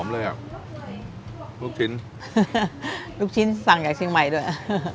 ลูกชิ้นสั่งจากชิงใหม่ด้วย